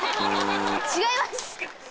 違います！